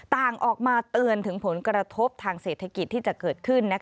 ต่างออกมาเตือนถึงผลกระทบทางเศรษฐกิจที่จะเกิดขึ้น